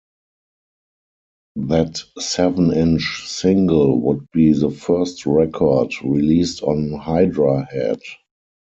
That seven-inch single would be the first record released on Hydra Head.